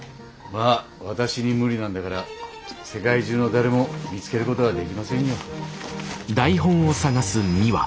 まあ私に無理なんだから世界中の誰も見つけることはできませんよ。